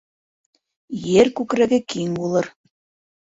Ер күкрәге киң булыр